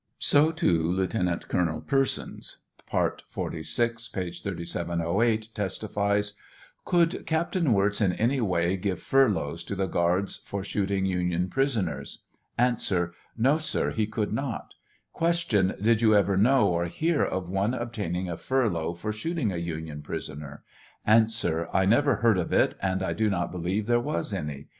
So, too, Lieutenant Colonel Persons (part 46, page 3708) testifies : Could Captain Wirz in any way give furloughs to the guards for shooting Union pris oners 1 A. No, sir ; ho could not. Q. Did you ever know or hear of one obtaining a furlough for shooting a Union prisoner ? A. 1 never heard of it, and I do not believe there was any.